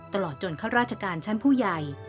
ตลอดจนข้าราชการชั้นผู้ใหญ่